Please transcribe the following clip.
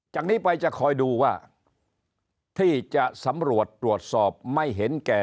จากนี้ไปจะคอยดูว่าที่จะสำรวจตรวจสอบไม่เห็นแก่